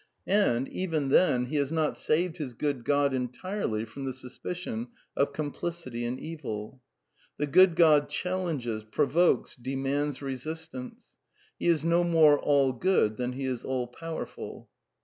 And, even then, he has not saved his Good God entirely from the sus picion of complicity in Evil. The Good God challenges, provokes, demands resistance. He is no more All good than he is All powerful.